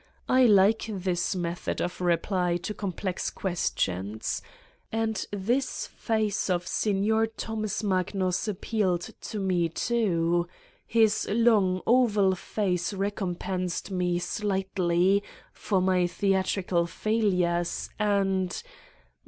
I like this method of reply to complex questions. And tliis face of Signor Thomas Magnus appealed to me, too; his long, oval face recompensed me slightly for my theatrical failures and